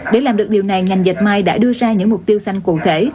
để làm được điều này ngành dệt may đã đưa ra những mục tiêu xanh cụ thể